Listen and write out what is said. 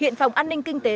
hiện phòng an ninh kinh tế